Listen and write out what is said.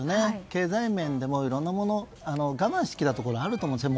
経済面でもいろいろなものを我慢してきたことがあると思うんです。